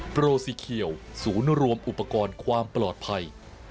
โปรสีเขียวศูนย์รวมอุปกรณ์ความปลอดภัย